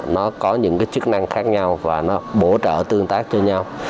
nó có những cái chức năng khác nhau và nó bổ trợ tương tác cho nhau